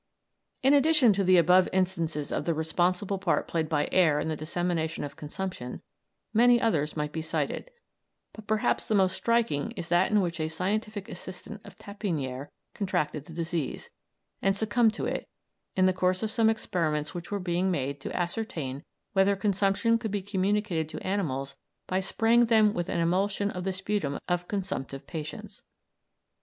In addition to the above instances of the responsible part played by air in the dissemination of consumption many others might be cited, but perhaps the most striking is that in which a scientific assistant of Tappeiner contracted the disease, and succumbed to it, in the course of some experiments which were being made to ascertain whether consumption could be communicated to animals by spraying them with an emulsion of the sputum of consumptive patients.